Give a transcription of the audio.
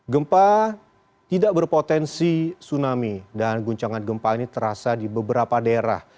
gempa tidak berpotensi tsunami dan guncangan gempa ini terasa di beberapa daerah